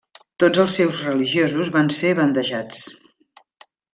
Tots els seus religiosos van ser bandejats.